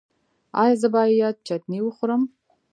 ایا زه باید چتني وخورم؟